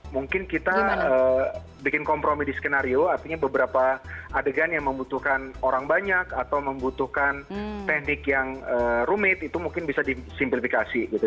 mungkin kita bikin kompromi di skenario artinya beberapa adegan yang membutuhkan orang banyak atau membutuhkan teknik yang rumit itu mungkin bisa disimplifikasi gitu